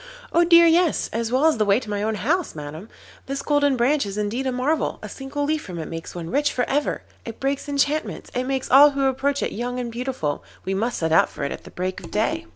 'Oh dear, yes! as well as the way to my own house, Madam. This Golden Branch is indeed a marvel, a single leaf from it makes one rich for ever. It breaks enchantments, and makes all who approach it young and beautiful. We must set out for it at the break of day.